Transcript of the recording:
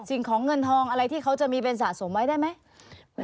สิ่งของเงินทองอะไรที่เขาจะมีเป็นสะสมไว้ได้ไหม